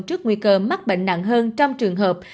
trước nguy cơ mắc bệnh nặng hơn trong trường hợp